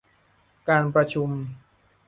การประชุม